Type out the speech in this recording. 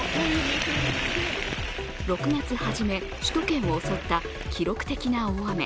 ６月はじめ、首都圏を襲った記録的な大雨。